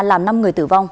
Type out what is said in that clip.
làm năm người tử vong